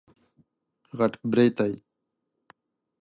غټ برېتی